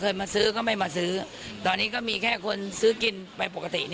มาซื้อก็ไม่มาซื้อตอนนี้ก็มีแค่คนซื้อกินไปปกติ